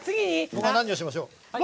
僕は何しましょう。